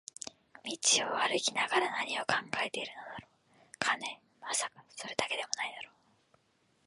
道を歩きながら何を考えているのだろう、金？まさか、それだけでも無いだろう